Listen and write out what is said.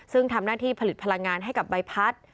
ซึ่งทำหน้าที่ผลิตพลังงานให้กับใบพัด